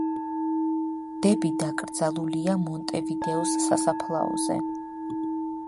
დები დაკრძალულია მონტევიდეოს სასაფლაოზე.